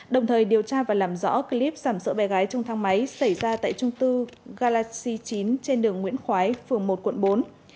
đồng thời điều tra và làm rõ clip sảm sợ bè gái trong thang máy xảy ra tại trung tư galaxy chín trên đường nguyễn khói phường một quận bốn